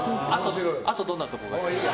あとどんなところが好きなの？